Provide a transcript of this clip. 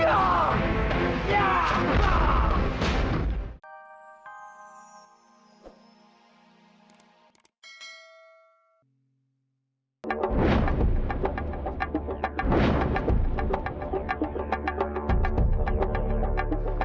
kalian tidak pantas hidup di muka bumi